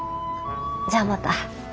じゃあまた。